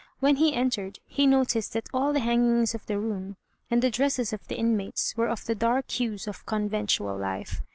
When he entered, he noticed that all the hangings of the room and the dresses of the inmates were of the dark hues of conventual life.